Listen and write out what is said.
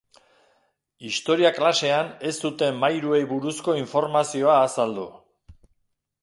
Historia klasean ez zuten mairuei buruzko informazioa azaldu.